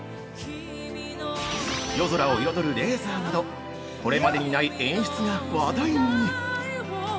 夜空を彩るレーザーなど、これまでにない演出が話題に！